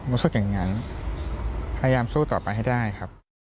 รู้สึกอย่างนั้นพยายามสู้ต่อไปให้ได้ครับ